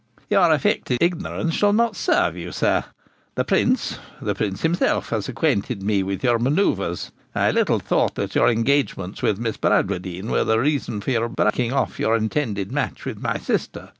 'Your affected ignorance shall not serve you, sir. The Prince the Prince himself has acquainted me with your manoeuvres. I little thought that your engagements with Miss Bradwardine were the reason of your breaking off your intended match with my sister.